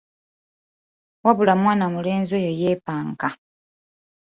Wabula mwana mulenzi oyo yeepanka.